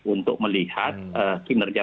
untuk melihat kinerja